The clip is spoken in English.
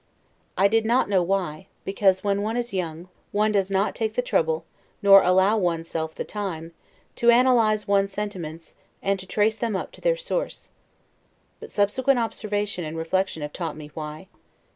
I did not know why, because, when one is young, one does not take the trouble, nor allow one's self the time, to analyze one's sentiments and to trace them up to their source. But subsequent observation and reflection have taught me why.